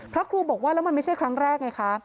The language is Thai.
พระครูบอกว่าแล้วมันไม่ใช่ครั้งแรกไงคะ